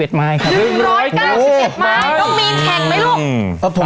ต้องมีแข่งไหมลูก